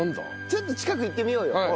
ちょっと近く行ってみようよ。